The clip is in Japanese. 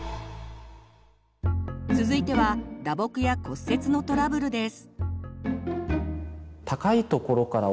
続いては打撲や骨折のトラブルです。